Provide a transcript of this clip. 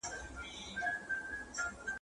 تر هر څه ډېر، ستا د خبرو له انداز